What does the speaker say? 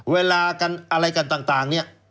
เวลาอะไรกันต่าง